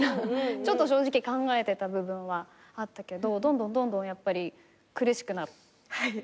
ちょっと正直考えてた部分はあったけどどんどんどんどんやっぱり苦しくなって。